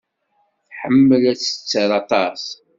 Tḥemmel ad tetter aṭas.